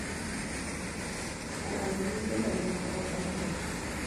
Kwano nyithindo moko ok ohero